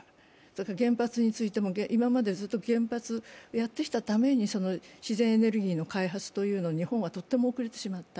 原発についても、今までずっと原発やってきたために自然エネルギーの開発、日本はとても遅れてしまった。